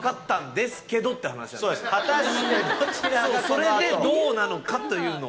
それでどうなのかというのを。